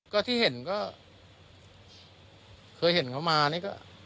ก็ที่เห็นก็เคยเห็นเขามานี่ก็